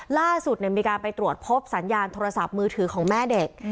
ล่าสุดมีการไปตรวจพบสัญญาณโทรศัพท์มือถือของแม่เด็ก